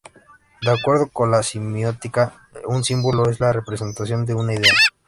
De acuerdo con la semiótica, un símbolo es la representación de una idea.